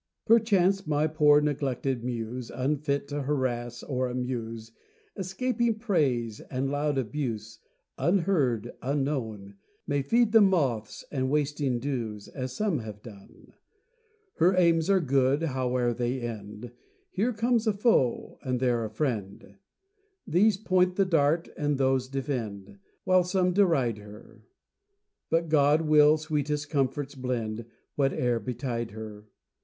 Perchance, my poor neglected Muse Unfit to harass or amuse, Escaping praise and loud abuse, Unheard, unknown, May feed the moths and wasting dews, As some have done. Her aims are good, howe'er they end Here comes a foe, and there a friend, These point the dart and those defend, Whilst some deride her; But God will sweetest comforts blend, Whate'er betide her.